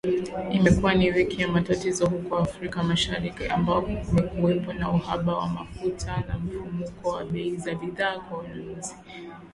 Imekuwa ni wiki ya matatizo huko Afrika Mashariki, ambako kumekuwepo na uhaba wa mafuta na mfumuko wa bei za bidhaa kwa wanunuzi